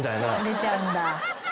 出ちゃうんだ。